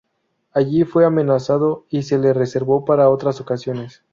Allí fue amenazado y se le reservó para otras ocasiones.